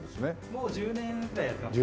もう１０年ぐらいやってますね。